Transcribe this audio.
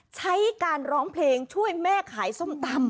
ใช้การร้องเพลงช่วยแม่ขายส้มตำ